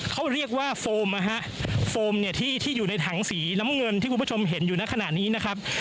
เขาเรียกว่าโฟมนะฮะโฟมเนี่ยที่อยู่ในถังสีน้ำเงินที่คุณผู้ชมเห็นอยู่ในขณะนี้นะครับ